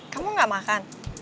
kamu gak makan